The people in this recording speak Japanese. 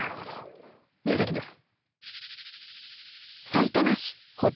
二席です。